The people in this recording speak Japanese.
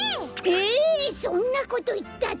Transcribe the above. えそんなこといったって！